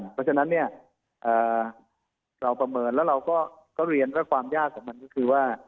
เพราะฉะนั้นเนี่ยเราประเมินแล้วเราก็เรียนว่าความยากของมันก็คือว่า